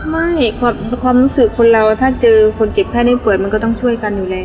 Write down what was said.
ไม่ความรู้สึกคุณแล้วถ้าเจอคนจีบแพทย์ให้เปิดมันก็ต้องช่วยกันอยู่แล้ว